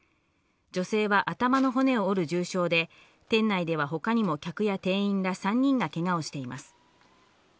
女性は頭の骨を折る重傷で店内では他にも客や店員ら３人がけがをしています。